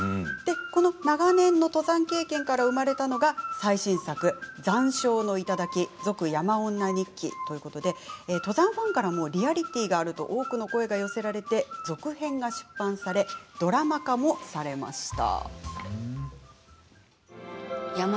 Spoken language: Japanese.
長年の登山経験から生まれたのが最新作「残照の頂続・山女日記」。ということで登山ファンからもリアリティーがあると多くの声が寄せられ続編が出版されドラマ化もされました。